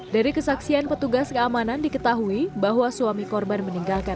dari kesaksian petugas keamanan diketahui bahwa suami korban meninggalkan